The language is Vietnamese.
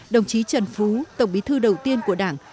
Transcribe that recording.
đồng chí trần phú tổng bí thư đầu tiên của đảng